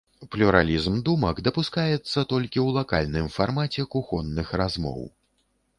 Плюралізм думак дапускаецца толькі ў лакальным фармаце кухонных размоў.